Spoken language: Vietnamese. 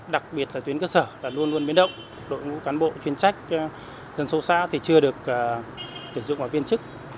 đặc biệt là tuyến cơ sở là luôn luôn biến động đội ngũ cán bộ chuyên trách dân sâu xã thì chưa được tuyển dụng vào viên chức